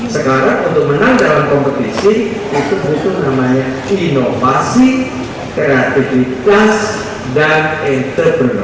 sekarang untuk menang dalam kompetisi itu khusus namanya inovasi kreativitas dan entrepreneur